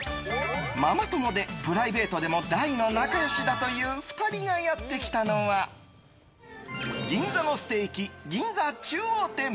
ママ友でプライベートでも大の仲良しだという２人がやってきたのは銀座のステーキ銀座中央店。